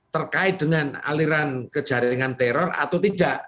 terkait dengan aliran ke jaringan teror atau tidak